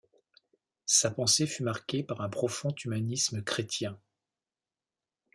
Sa pensée fut marquée par un profond humanisme chrétien.